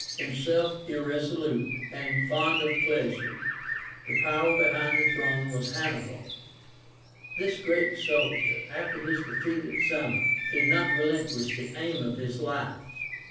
Himself irresolute and fond of pleasure, the power behind his throne was HANNIBAL. This great soldier, after his defeat at Zama, did not relinquish the aim of his life.